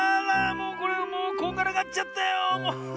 もうこれもうこんがらがっちゃったよ！